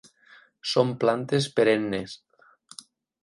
Són plantes perennes.